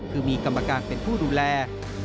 คือมีกรรมการเป็นผู้ดูแล